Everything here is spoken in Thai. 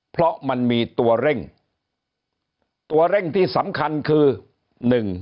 เพราะมันมีตัวเร่งตัวเร่งที่สำคัญคือหนึ่ง